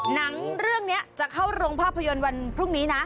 หนังเรื่องนี้จะเข้าโรงภาพยนตร์วันพรุ่งนี้นะ